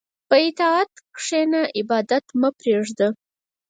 په طاعت کښېنه، عبادت مه پرېږده.